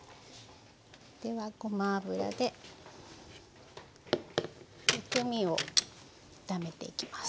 ではごま油で薬味を炒めていきます。